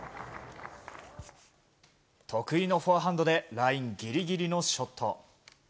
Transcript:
得意のフォアハンドでラインギリギリのショット。